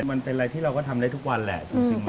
มันเป็นอะไรที่เราก็ทำได้ทุกวันแหละจริง